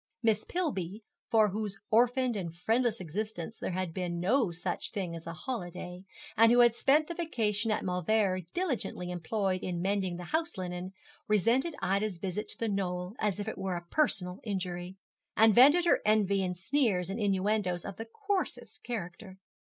Miss Pillby, for whose orphaned and friendless existence there had been no such thing as a holiday, and who had spent the vacation at Mauleverer diligently employed in mending the house linen, resented Ida's visit to The Knoll as if it were a personal injury, and vented her envy in sneers and innuendoes of the coarsest character.